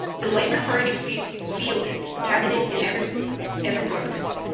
The Labour Party fielded candidates in every ward.